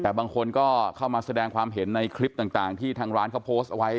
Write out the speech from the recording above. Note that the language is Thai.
แต่บางคนก็เข้ามาแสดงความเห็นในคลิปต่างที่ทางร้านเขาโพสต์เอาไว้